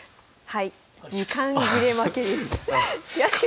はい。